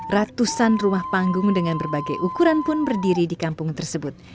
ratusan rumah panggung dengan berbagai ukuran pun berdiri di kampung tersebut